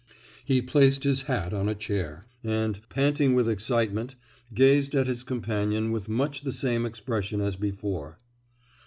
He placed his hat on a chair, and, panting with excitement, gazed at his companion with much the same expression as before.